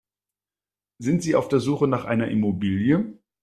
Sind Sie auf der Suche nach einer Immobilie?